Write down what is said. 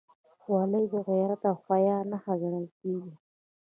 خولۍ د غیرت او حیا نښه ګڼل کېږي.